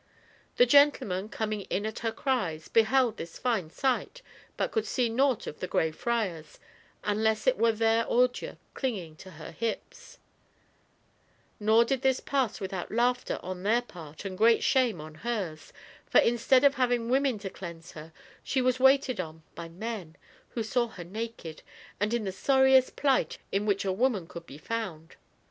The gentlemen, coming in at her cries, beheld this fine sight, but could see nought of the Grey Friars, unless it were their ordure clinging to her hips ; nor did this pass without laughter on their part and great shame on hers, for instead of having women to cleanse her, she was waited on by men, who saw her naked, and in the sorriest plight in which a woman could be found.